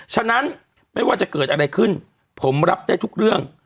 ฉะนั้นไม่ว่าจะเกิดอะไรขึ้นผมรับได้ทุกเรื่อง